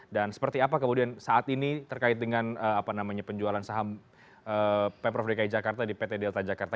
seperti apa kemudian saat ini terkait dengan penjualan saham pemprov dki jakarta di pt delta jakarta